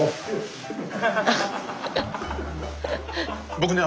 僕ね